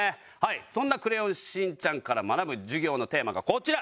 そんな『クレヨンしんちゃん』から学ぶ授業のテーマがこちら。